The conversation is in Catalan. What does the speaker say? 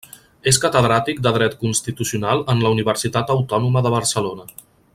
És Catedràtic de Dret constitucional en la Universitat Autònoma de Barcelona.